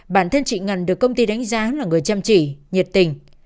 bản thân chị ngân được công ty đánh giá là người chăm chỉ nhiệt tình